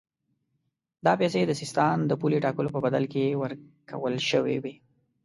دا پیسې د سیستان د پولې ټاکلو په بدل کې ورکول شوې وې.